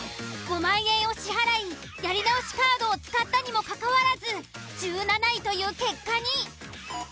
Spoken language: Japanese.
５万円を支払い「やり直しカード」を使ったにもかかわらず１７位という結果に。